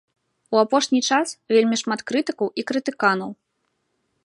У апошні час вельмі шмат крытыкаў і крытыканаў.